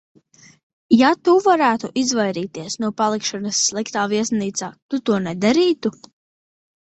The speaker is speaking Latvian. Ja tu varētu izvairīties no palikšanas sliktā viesnīcā, tu to nedarītu?